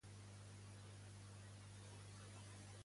El T-Rex tenia plomes?